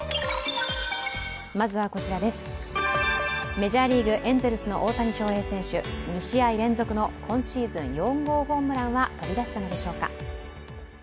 メジャーリーグ、エンゼルスの大谷翔平選手、２試合連続の今シーズン４号ホームランは飛び出したのでしょうか。